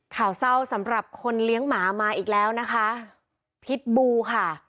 ข่าวเศร้าสำหรับคนเลี้ยงหมามาอีกแล้วนะคะพิษบูค่ะ